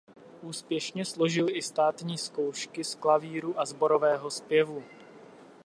Úspěšně složil i státní zkoušky z klavíru a sborového zpěvu.